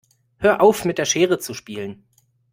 Hör auf mit der Schere zu spielen.